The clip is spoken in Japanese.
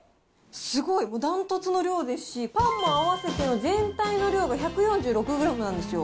すごい、もう断トツの量ですし、パンも合わせて全体の量が１４６グラムなんですよ。